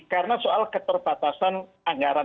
karena soal keterbatasan anggaran